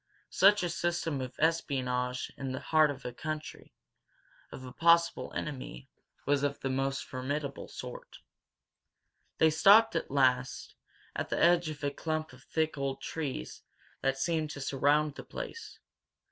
Such a system of espionage in the heart of the country of a possible enemy, was of the most formidable sort. They stopped, at last, at the edge of the clump of thick, old trees that seemed to surround the place.